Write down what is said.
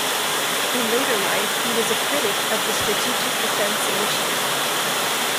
In later life he was a critic of the Strategic Defense Initiative.